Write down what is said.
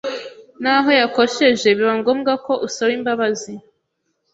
n’aho yakosheje biba ngombwa ko usaba imbabazi.